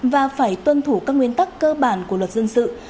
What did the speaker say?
và phải tuân thủ các nguyên tắc cơ bản của luật dân sự